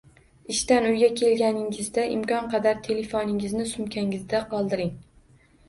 Ishdan uyga kelganingizda imkon qadar telefoningizni sumkangizda qoldiring